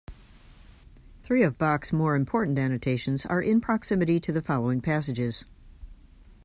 Three of Bach's more important annotations are in proximity to the following passages.